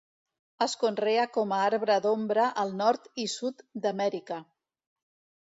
Es conrea com a arbre d'ombra al Nord i Sud d'Amèrica.